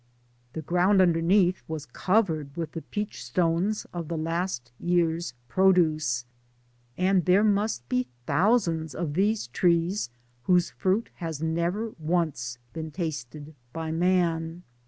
The ground underneath was covered with the peach stones of the last year's produce, and there must be thousands of these trees whose Aruit has never once been tasted by man.